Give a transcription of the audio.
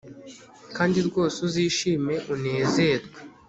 kandi rwose uzishime unezerwe